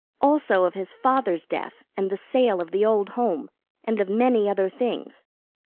Also of his father's death and the sale of the old home, and of many other things.